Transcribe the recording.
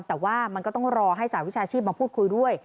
แต่ว่ามันก็ต้องรอให้สหวิชาชีพมาพูดคุยด้วย